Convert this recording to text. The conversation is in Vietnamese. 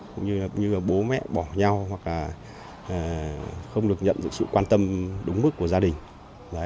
cũng như bố mẹ bỏ nhau hoặc là không được nhận được sự quan tâm đúng mức của gia đình